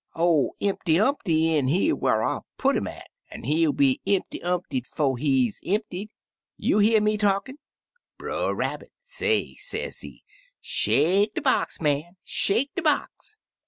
01' Impty Umpty in here whar I put 'im at, an' he'll be impty umptied 'fo' he's emp tied. You hear me talkin'l' Brer Rabbit say, sezee, 'Shake de box, man! Shake de box!'